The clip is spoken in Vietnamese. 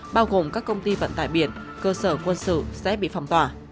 bao gồm các công ty vận tải biển cơ sở quân sự sẽ bị phong tỏa